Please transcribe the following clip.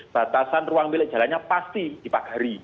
batasan ruang milik jalannya pasti dipagari